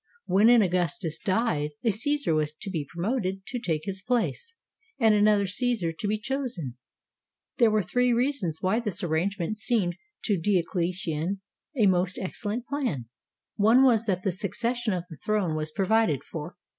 When an Augustus died, a Caesar was to be promoted to take his place and another Caesar to be chosen. There were three reasons why this arrangement seemed to Diocletian a most excellent plan. One was that the succession of the throne was provided for.